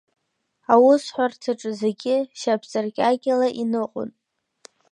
Аусҳәарҭаҿы зегьы шьапҵыркьакьала иныҟәон.